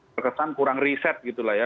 terkesan kurang riset gitu lah ya